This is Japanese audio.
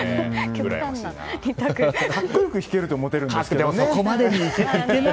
格好良く弾けるとモテるんですけどね。